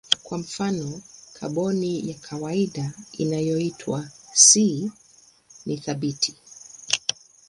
Kwa mfano kaboni ya kawaida inayoitwa C ni thabiti.